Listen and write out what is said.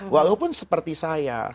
walaupun seperti saya